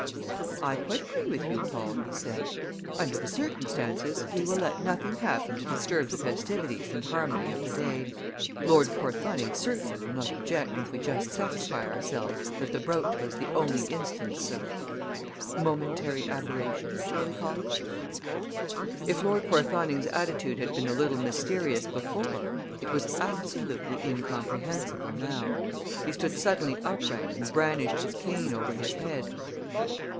"I quite agree with you, Paul," he said. "Under the circumstances we will let nothing happen to disturb the festivities and harmony of the day. Lord Porthoning certainly will not object if we just satisfy ourselves that the brooch was the only instance of momentary aberration; shall we call it?" If Lord Porthoning's attitude had been a little mysterious before it was absolutely incomprehensible now. He stood suddenly upright and brandished his cane over his head.